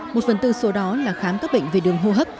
một phần tư số đó là khám các bệnh về đường hô hấp